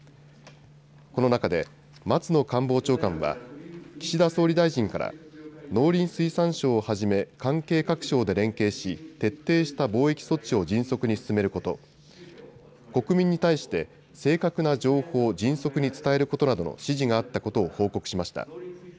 この中で松野官房長官は、岸田総理大臣から農林水産省をはじめ関係各省で連携し徹底した防疫措置を迅速に進めること、国民に対して正確な情報を迅速に伝えることなどの指示があったことを報告しました。